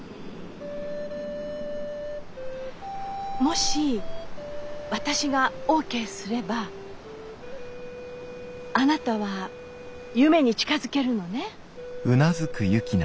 もし私がオーケーすればあなたは夢に近づけるのね？